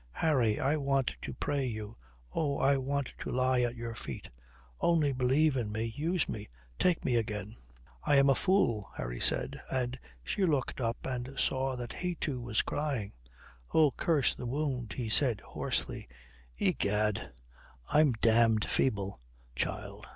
Harry I want to pray you oh, I want to lie at your feet. Only believe in me use me take me again." "I am a fool," Harry said, and she looked up and saw that he, too, was crying. "Oh, curse the wound," he said hoarsely. "Egad, I am damned feeble, child."